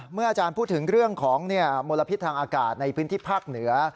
อาจารย์พูดถึงเรื่องของมลพิษทางอากาศในพื้นที่ภาคเหนือ